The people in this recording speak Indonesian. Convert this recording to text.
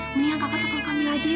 mendingan kakak telepon kamilah aja ya